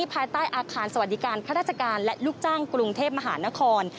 ภายใต้อาคารสวัสดิการข้าราชการและลูกจ้างกรุงเทพมหานคร